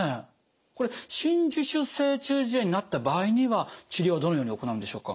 これ真珠腫性中耳炎になった場合には治療はどのように行うんでしょうか？